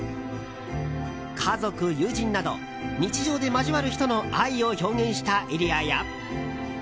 家族、友人など日常で交わる人の愛を表現したエリアや。